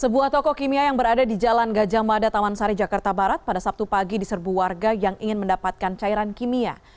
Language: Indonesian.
sebuah toko kimia yang berada di jalan gajah mada taman sari jakarta barat pada sabtu pagi diserbu warga yang ingin mendapatkan cairan kimia